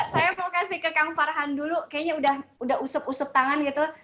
saya mau kasih ke kang farhan dulu kayaknya sudah usap usap tangan gitu